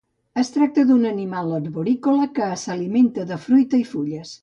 Es tracta d'un animal arborícola que s'alimenta de fruita i fulles.